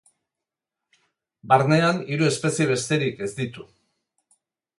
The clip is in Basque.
Barnean hiru espezie besterik ez ditu.